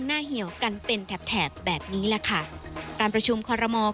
เหี่ยวกันเป็นแถบแถบแบบนี้แหละค่ะการประชุมคอรมอล